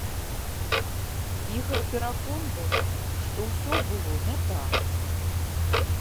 Ігар пераконвае, што ўсё было не так.